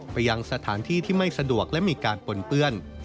ไปยังสถานที่ที่ไม่สะดวกและมีการปนเปื้อน